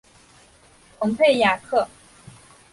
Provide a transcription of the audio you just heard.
蓬佩雅克。